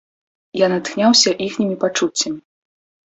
Я натхняўся іхнімі пачуццямі.